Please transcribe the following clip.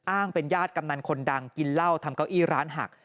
เป็นญาติกำนันคนดังกินเหล้าทำเก้าอี้ร้านหัก